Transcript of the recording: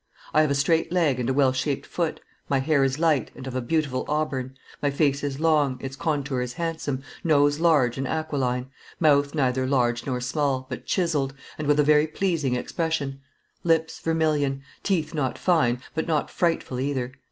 I have a straight leg and a well shaped foot; my hair is light, and of a beautiful auburn; my face is long, its contour is handsome, nose large and aquiline; mouth neither large nor small, but chiselled, and with a very pleasing expression; lips vermilion; teeth not fine, but not frightful either.